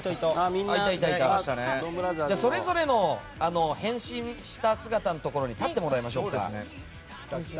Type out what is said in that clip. それぞれの変身した姿のところに立ってもらいましょうか。